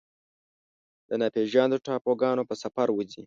د ناپیژاندو ټاپوګانو په سفر وځي